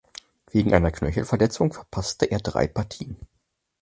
Wegen einer Knöchelverletzung verpasste er drei Partien.